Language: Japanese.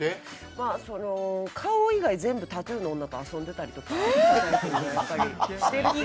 顔以外、全部タトゥーの女と遊んでたりとか。